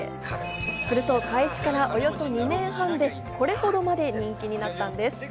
すると開始からおよそ２年半でこれ程まで人気になったんです。